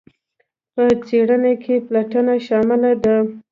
په څیړنه کې پلټنه شامله ده.